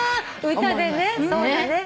歌でね。